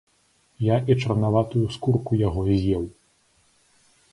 Я і чарнаватую скурку яго з'еў.